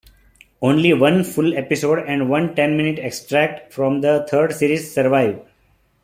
Only one full episode and one ten-minute extract from the third series survive.